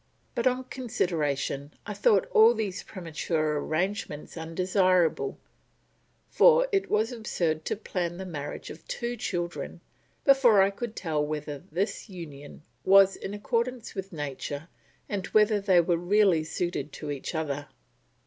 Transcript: But on consideration I thought all these premature arrangements undesirable, for it was absurd to plan the marriage of two children before I could tell whether this union was in accordance with nature and whether they were really suited to each other.